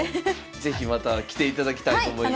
是非また来ていただきたいと思います。